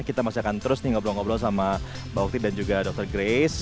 kita masih akan terus nih ngobrol ngobrol sama mbak okti dan juga dr grace